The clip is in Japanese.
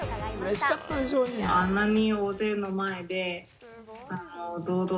うれしかったでしょうに。